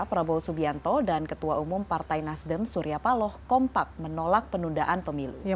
prabowo subianto dan ketua umum partai nasdem surya paloh kompak menolak penundaan pemilu